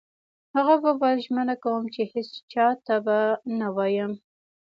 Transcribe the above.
هغه وویل: ژمنه کوم چي هیڅ چا ته به نه وایم.